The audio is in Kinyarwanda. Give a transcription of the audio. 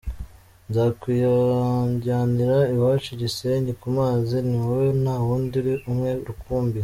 Nzakwijyanira iwacu i Gisenyi ku mazi, ni wowe nta wundi uri umwe rukumbi.